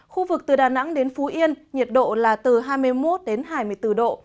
khu vực từ đà nẵng đến phú yên nhiệt độ là từ hai mươi một đến hai mươi bốn độ